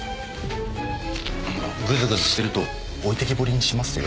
グズグズしてると置いてきぼりにしますよ。